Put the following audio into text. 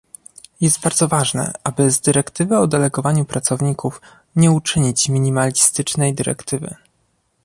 Jest bardzo ważne, aby z dyrektywy o delegowaniu pracowników nie uczynić minimalistycznej dyrektywy